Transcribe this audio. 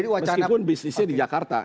meskipun bisnisnya di jakarta